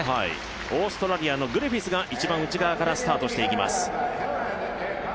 オーストラリアのグリフィスが内側からスタートしていきます。